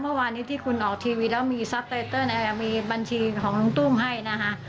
เพราะวันนี้ที่คุณออกทีวีแล้วมีบัญชีของลุงตุ้มให้นะฮะ